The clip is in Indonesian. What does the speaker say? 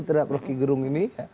terhadap roky gerung ini